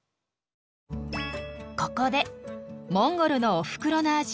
ここでモンゴルのおふくろの味